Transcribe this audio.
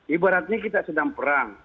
ibaratnya kita sedang perang